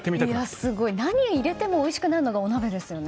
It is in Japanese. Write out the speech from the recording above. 何を入れてもおいしくなるのがお鍋ですよね。